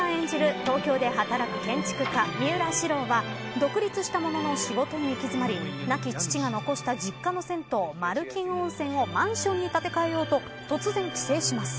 東京で働く建築家、三浦史朗は独立したものの仕事に行き詰まり亡き父が残した実家の銭湯まるきん温泉をマンションに建て変えようと突然帰省します